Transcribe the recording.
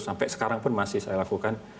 sampai sekarang pun masih saya lakukan